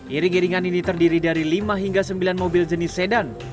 iring iringan ini terdiri dari lima hingga sembilan mobil jenis sedan